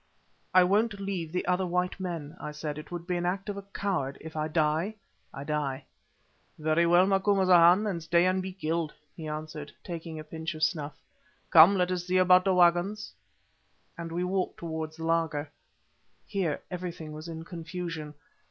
"I won't leave the other white men," I said; "it would be the act of a coward. If I die, I die." "Very well, Macumazahn, then stay and be killed," he answered, taking a pinch of snuff. "Come, let us see about the waggons," and we walked towards the laager. Here everything was in confusion.